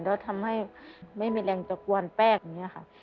แล้วทำให้ไม่มีแรงตะกวนแป้งอย่างนี้ค่ะ